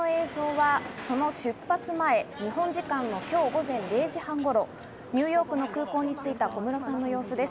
こちらの映像は、その出発前、日本時間の今日午前０時半頃、ニューヨークの空港に着いた小室さんの様子です。